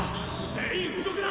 全員動くな！